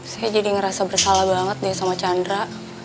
saya jadi ngerasa bersalah banget deh sama chandra